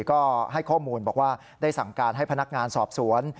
ก็ให้ข้อมูลบอกว่าได้สั่งการให้พนักงานสอบสวน